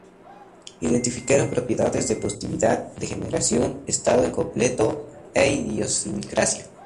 Identificaron propiedades de positividad, degeneración, estado incompleto e idiosincrasia.